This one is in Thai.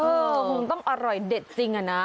เออมันต้องอร่อยเด็ดจริงอ่ะนะ